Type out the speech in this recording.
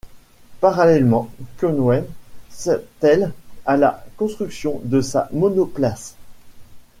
Parallèlement, Connew s'attèle à la construction de sa monoplace.